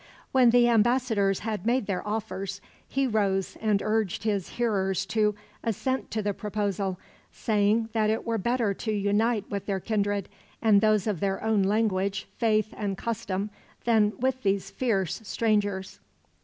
When the ambassadors had made their offers, he rose and urged his hearers to assent to the proposal; saying that it were better to unite with their kindred, and those of their own language, faith, and custom, than with these fierce strangers.